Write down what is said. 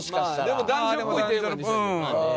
でも男女っぽいテーマでした。